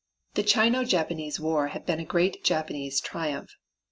The Chino Japanese war had been a great Japanese triumph.